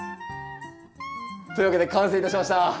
というわけで完成いたしました。